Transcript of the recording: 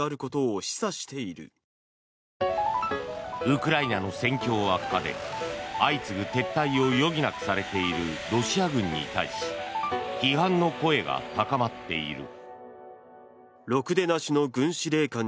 ウクライナの戦況悪化で相次ぐ撤退を余儀なくされているロシア軍に対し批判の声が高まっている。